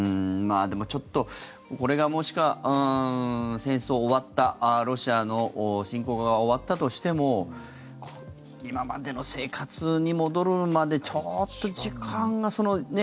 ちょっと、これがもしくは戦争終わったロシアの侵攻が終わったとしても今までの生活に戻るまでちょっと時間が。